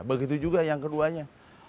begitu juga yang keduanya